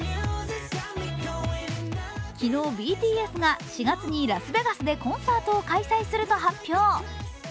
昨日、ＢＴＳが４月にラスベガスでコンサートを開催すると発表。